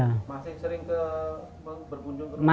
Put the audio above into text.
masih sering berkunjung ke rumah